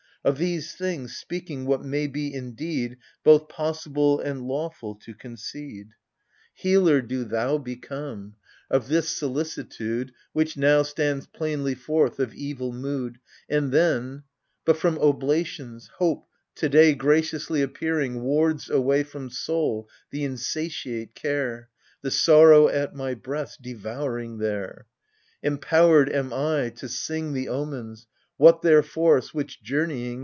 Of these things, speaking what may be indeed Both possible and lawful to concede. lo AGAMEMNON. Healer do thou become !— of this solicitude Which, now, stands plainly forth of evil mood, And, then ... but from oblations, hope, to day Gracious appearing, wards away From soul the insatiate care, The sorrow at my breast, devouring there ! Empowered am I to sing The omens, what their force which, journeying.